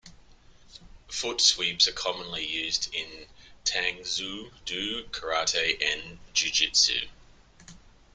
Foot sweeps are commonly used in Tang Soo Do, karate, and jujutsu.